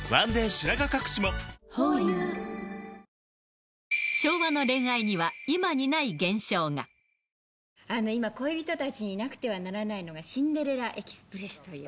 白髪かくしもホーユー昭和の恋愛には、今にない現今、恋人たちになくてはならないのが、シンデレラ・エクスプレスという。